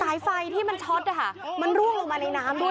สายไฟที่มันช็อตนะคะมันร่วงลงมาในน้ำด้วย